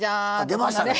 あ出ましたね。